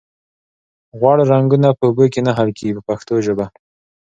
غوړ رنګونه په اوبو کې نه حل کیږي په پښتو ژبه.